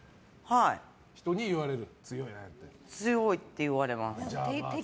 強いって言われます。